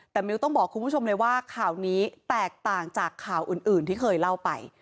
แต่มิวต้องบอกคุณผู้ชมเลยว่าข่าวนี้แตกต่างจากข่าวอื่นที่เคยเล่าไป